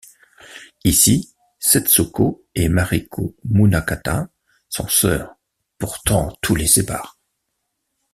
Ici, Setsuko et Mariko Munakata sont sœurs, pourtant tout les sépare.